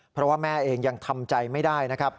เพราะว่าแม่เองยังทำใจไม่ได้